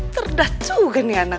cerdas juga nih anak